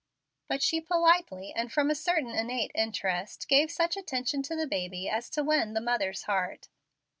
But she politely, and from a certain innate interest, gave such attention to the baby as to win the mother's heart.